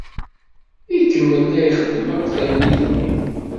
Ikemmel la ixeddem akk tallit-nni.